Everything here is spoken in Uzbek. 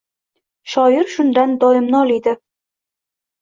Shoir shundan doim noliydi.